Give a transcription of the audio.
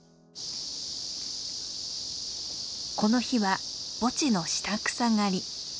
この日は墓地の下草刈り。